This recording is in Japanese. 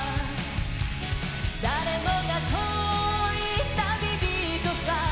誰もが遠い旅人さ